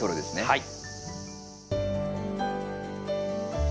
はい。